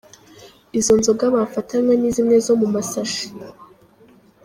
Izo nzoga bafatanywe ni zimwe zo mu masashi.